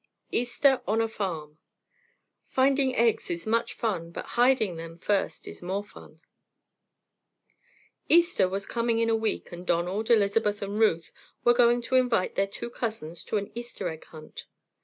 EASTER ON A FARM Finding Eggs Is Much Fun, but Hiding Them First Is More Fun Easter was coming in a week and Donald, Elizabeth and Ruth were going to invite their two cousins to an Easter Egg Hunt.